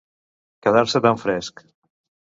Quedar-se tan fresc.